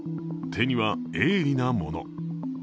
手には鋭利な物。